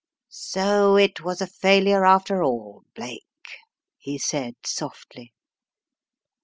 "So it was a failure after all, Blake," he said, softly.